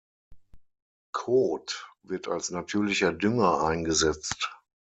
Kot wird als natürlicher Dünger eingesetzt.